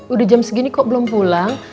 udah jam segini kok belum pulang